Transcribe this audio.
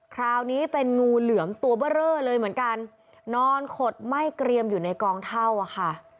คราวนี้เป็นงูเหลือมตัวเบอร์เรอเลยเหมือนกันนอนขดไหม้เกรียมอยู่ในกองเท่าอ่ะค่ะ